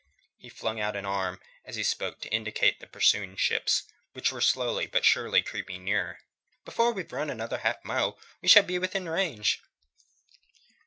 He flung out an arm as he spoke to indicate the pursuing ships, which were slowly but surely creeping nearer. "Before we've run another half mile we shall be within range."